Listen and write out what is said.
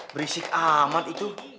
berisik amat itu